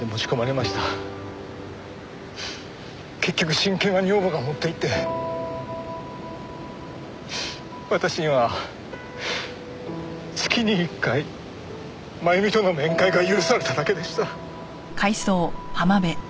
結局親権は女房が持っていって私には月に１回真由美との面会が許されただけでした。